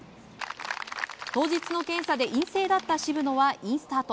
当日の検査で陰性だった渋野はインスタート。